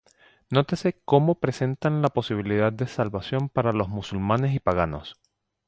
Nótese cómo presentan la posibilidad de salvación para los musulmanes y paganos.